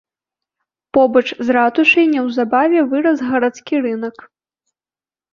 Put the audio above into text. Побач з ратушай неўзабаве вырас гарадскі рынак.